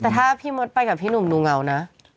ถ้าภินทร์ไปกับพี่หนูหนูเงานะ